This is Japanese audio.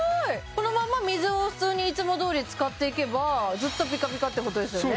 このまま水を普通にいつもどおり使っていけばずっとぴかぴかってことですよね